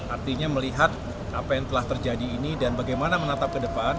artinya melihat apa yang telah terjadi ini dan bagaimana menatap ke depan